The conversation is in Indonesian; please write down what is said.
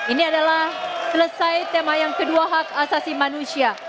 ini adalah selesai tema yang kedua hak asasi manusia